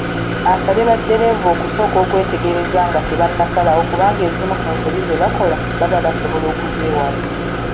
Asabye baddereeva okusooka okwetegereza nga tebannasalawo kubanga ezimu ku nsobi ze bakola baba basobola okuzeewala.